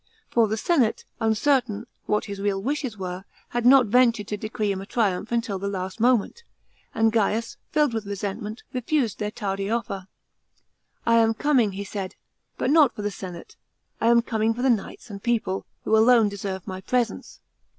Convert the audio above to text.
For the senate, uncertain what his real wishes were, had not ventured to decree him a triumph until the last moment ; and Gains, filled with resentment, refused their tardy offer. " I am coming," he said, " but not for the senate, 1 am coming for the knights and people, who alone deserve my presence.